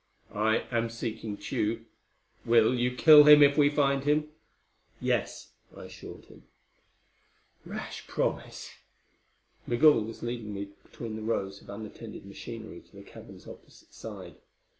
"I am seeking Tugh. Will you kill him if we find him?" "Yes," I assured him. Rash promise! Migul was leading me between the rows of unattended machinery to the cavern's opposite side.